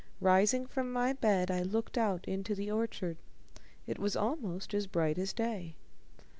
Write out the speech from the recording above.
Rising from my bed, I looked out into the orchard. It was almost as bright as day.